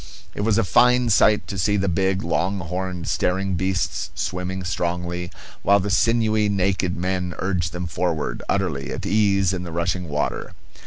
It was a fine sight to see the big, long horned, staring beasts swimming strongly, while the sinewy naked men urged them forward, utterly at ease in the rushing water.